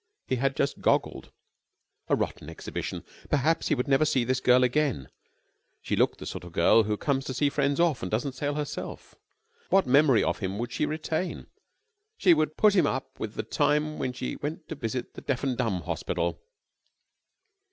He had just goggled. A rotten exhibition! Perhaps he would never see this girl again. She looked the sort of girl who comes to see friends off and doesn't sail herself. And what memory of him would she retain? She would mix him up with the time when she went to visit the deaf and dumb hospital.